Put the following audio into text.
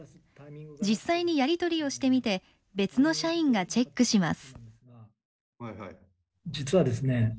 実際にやり取りをしてみて別の社員がチェックします。